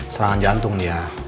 serangan jantung dia